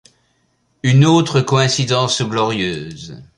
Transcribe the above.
Une autre coïncidence glorieuse.